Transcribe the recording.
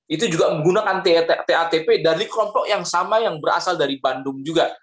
itu juga menggunakan tatp dari kelompok yang sama yang berasal dari bandung juga